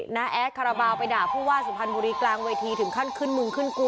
้าแอดคาราบาลไปด่าผู้ว่าสุพรรณบุรีกลางเวทีถึงขั้นขึ้นมึงขึ้นกู